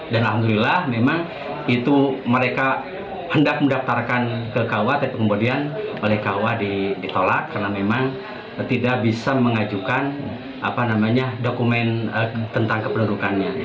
dan alhamdulillah memang itu mereka hendak mendaftarkan ke kaua tapi kemudian oleh kaua ditolak karena memang tidak bisa mengajukan dokumen tentang kepenerukannya